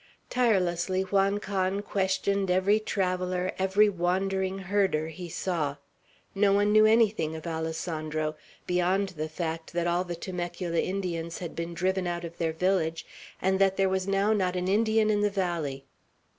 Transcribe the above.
Tirelessly Juan Can questioned every traveller, every wandering herder he saw. No one knew anything of Alessandro, beyond the fact that all the Temecula Indians had been driven out of their village, and that there was now not an Indian in the valley.